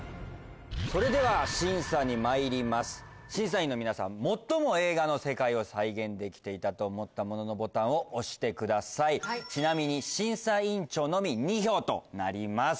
それでは審査にまいります審査員の皆さん最も映画の世界を再現できていたと思ったもののボタンを押してくださいちなみに審査員長のみ２票となります